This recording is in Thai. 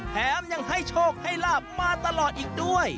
แถมยังให้โชคให้ลาบมาตลอดอีกด้วย